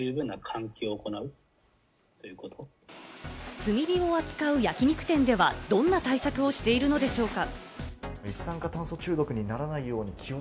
炭火を扱う焼肉店ではどんな対策をしているのでしょうか？